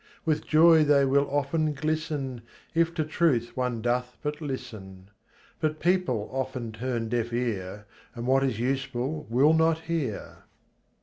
With joy they will often glisten, If to truth one doth but listen ; But people often turn deaf ear And what is useful will not hear.